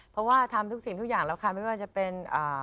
เพราะว่าทำทุกสิ่งทุกอย่างแล้วค่ะไม่ว่าจะเป็นอ่า